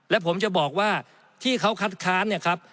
และผมจะบอกว่าที่เขาคัดค้านเนี่ยครับ